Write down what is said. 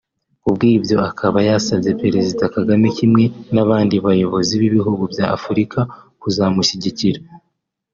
kubw’ibyo akaba yasabye Perezida Kagame kimwe n’abandi bayobozi b’ibihugu bya Afurika kuzamushyigikira